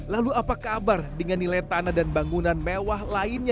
lalu apa kabar dengan nilai tanah dan bangunan mewah lainnya